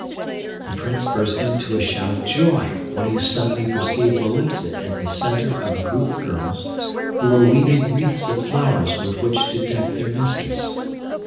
The Prince burst into a shout of joy when he suddenly perceived Militza in the centre of a group of girls who were weaving wreaths of flowers with which to deck their mistress.